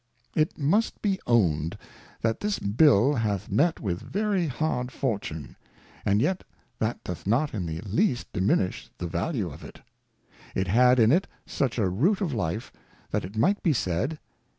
It must be own'd. That this Bill hath met with very hard Fortune^^^and yet that doth not in the least diminish the value of it. It had in it such a Root of Life, that it might be said.